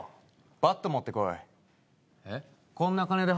バット持ってこい！